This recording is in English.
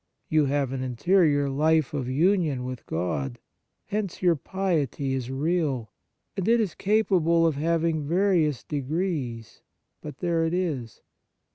You have an interior life of union with God : hence your piety is real ; and it is capable of having various de grees, but there it is.